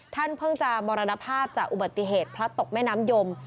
ท่านเพิ่งจะมรณภาพจากอุบัติเหตุพลัดตกแม่น้ำยม